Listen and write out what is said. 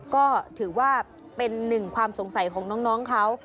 ก็ถือว่าเป็นหนึ่งความสงสัยของน้องเขา